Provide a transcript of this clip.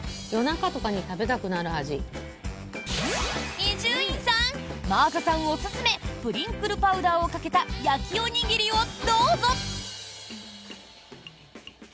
伊集院さん真麻さんおすすめプリンクルパウダーをかけた焼きおにぎりを、どうぞ！